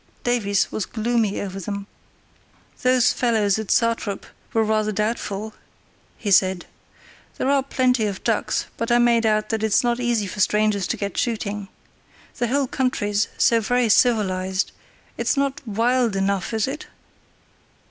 Davies was gloomy over them. "Those fellows at Satrup were rather doubtful," he said. "There are plenty of ducks, but I made out that it's not easy for strangers to get shooting. The whole country's so very civilised; it's not wild enough, is it?"